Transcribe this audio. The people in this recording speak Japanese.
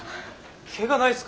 ケガないっすか？